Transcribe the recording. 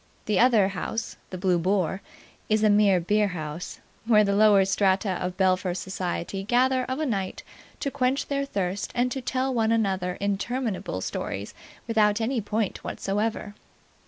The other house, the Blue Boar, is a mere beerhouse, where the lower strata of Belpher society gather of a night to quench their thirst and to tell one another interminable stories without any point whatsoever.